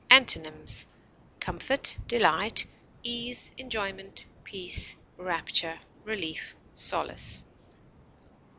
Antonyms: comfort, delight, ease, enjoyment, peace, rapture, relief, solace.